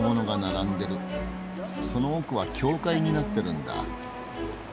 その奥は教会になってるんだ。